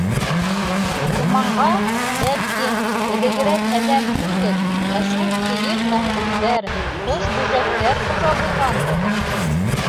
Урманға, бәлки, элегерәк әҙәм түгел, ә шул кейек-мәхлүктәр, ҡош-бөжәктәр хужа булғандыр?